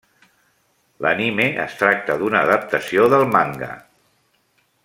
L'anime es tracta d'una adaptació, del manga.